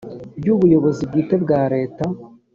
ry ubuyobozi bwite bwa leta